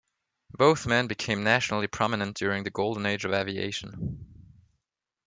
Both men became nationally prominent during the Golden Age of Aviation.